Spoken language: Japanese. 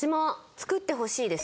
作ってほしいです。